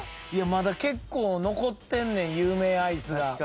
まだ結構残ってんねん有名アイスが。